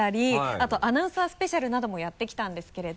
あとアナウンサースペシャルなどもやってきたんですけれど。